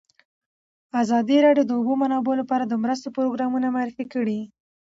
ازادي راډیو د د اوبو منابع لپاره د مرستو پروګرامونه معرفي کړي.